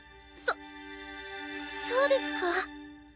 そそうですか？